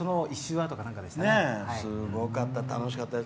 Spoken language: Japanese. すごかった。